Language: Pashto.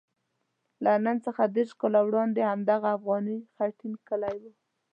له نن څخه دېرش کاله وړاندې همدغه افغاني خټین کلی وو.